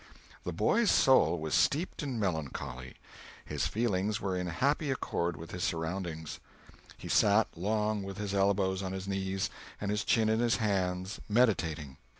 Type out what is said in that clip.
The boy's soul was steeped in melancholy; his feelings were in happy accord with his surroundings. He sat long with his elbows on his knees and his chin in his hands, meditating.